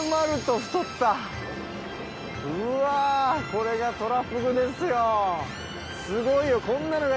これがトラフグですよ！